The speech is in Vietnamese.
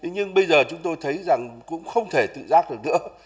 nhưng bây giờ chúng tôi thấy rằng cũng không thể tự giác được nữa